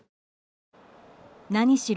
何しろ